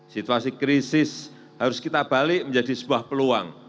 situasi krisis harus kita balik menjadi sebuah peluang